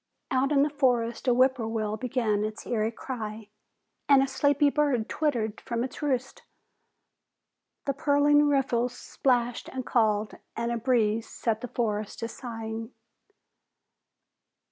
Out in the forest a whippoorwill began its eerie cry, and a sleepy bird twittered from its roost. The purling riffles splashed and called and a breeze set the forest to sighing.